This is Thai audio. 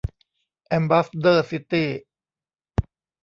แอมบาสเดอร์ซิตี้